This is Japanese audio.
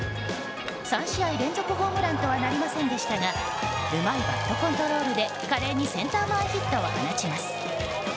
３試合連続ホームランとはなりませんでしたがうまいバットコントロールで華麗にセンター前ヒットを放ちます。